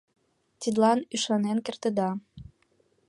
Тидлан ӱшанен кертыда.